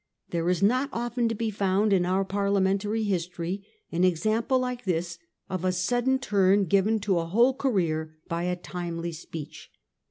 There is not often to be found in our Parliamentary history an example like this of a sudden turn given to a whole career by a timely speech.